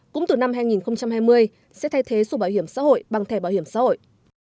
cũng từ năm hai nghìn hai mươi sẽ thay thế số bảo hiểm xã hội bằng thẻ bảo hiểm xã hội